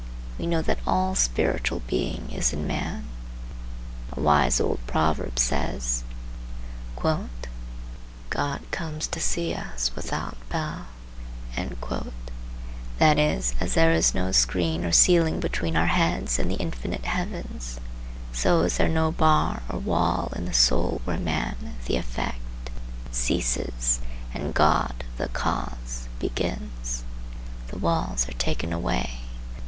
We know that all spiritual being is in man. A wise old proverb says, "God comes to see us without bell;" that is, as there is no screen or ceiling between our heads and the infinite heavens, so is there no bar or wall in the soul where man, the effect, ceases, and God, the cause, begins. The walls are taken away.